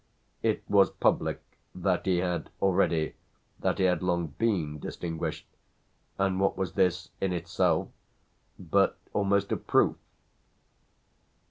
It was public that he had already, that he had long been distinguished, and what was this in itself but almost a proof?